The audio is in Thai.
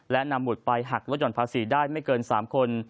และนำหุดไปหักลดห่อนภาษีได้ไม่เกิน๓คน